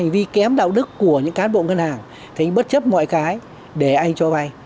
vì kém đạo đức của những cán bộ ngân hàng thì anh bất chấp mọi cái để anh cho vay